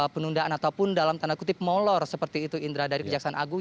penundaan ataupun dalam tanda kutip molor seperti itu indra dari kejaksaan agung